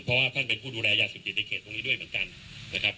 เพราะว่าท่านเป็นผู้ดูแลยาเสพติดในเขตตรงนี้ด้วยเหมือนกันนะครับ